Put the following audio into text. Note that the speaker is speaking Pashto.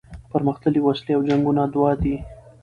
پرمختللي وسلې او جنګونه دوه دي.